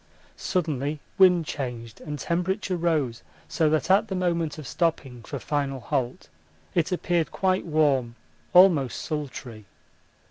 Suddenly wind changed and temperature rose so that at the moment of stopping for final halt it appeared quite warm, almost sultry.